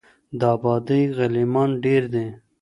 د آبادۍ غلیمان ډیر دي